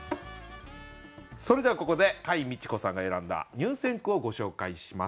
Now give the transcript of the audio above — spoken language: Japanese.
それではここで櫂未知子さんが選んだ入選句をご紹介します。